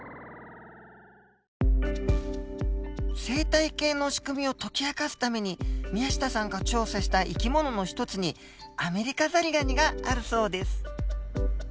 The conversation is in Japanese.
生態系のしくみを解き明かすために宮下さんが調査した生き物の一つにアメリカザリガニがあるそうです。